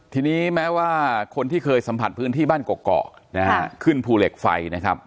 ทีนี้แม้ว่าคนที่เคยสัมผัสพื้นที่บ้านเกาะนะฮะขึ้นภูเหล็กไฟนะครับ